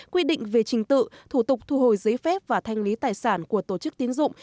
quy định về trình tự thủ tục thu hồi giấy phép và thanh lý tài sản của tổ chức tiến dụng